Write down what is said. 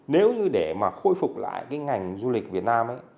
nếu như để khôi phục lại ngành du lịch việt nam